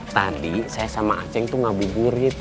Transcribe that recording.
tadi saya sama aceh ngabu burit